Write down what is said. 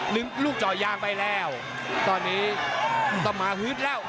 ลูกจ่อยางไปแล้วตอนนี้ต้องมาฮึดแล้ว